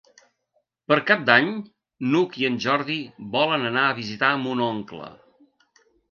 Per Cap d'Any n'Hug i en Jordi volen anar a visitar mon oncle.